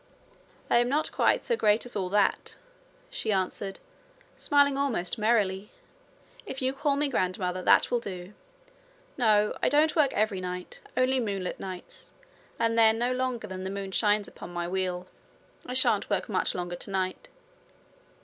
'I am not quite so great as all that,' she answered, smiling almost merrily. 'If you call me grandmother, that will do. No, I don't work every night only moonlit nights, and then no longer than the moon shines upon my wheel. I shan't work much longer tonight.'